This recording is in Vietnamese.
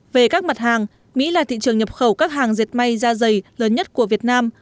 về các mặt hàng mỹ là thị trường nhập khẩu các hàng dệt may da dày lớn nhất của việt nam